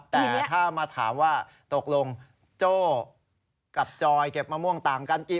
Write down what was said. แต่ถ้ามาถามว่าตกลงโจ้กับจอยเก็บมะม่วงต่างกันกี่